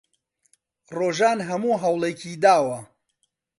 ڕۆژان هەموو هەوڵێکی داوە.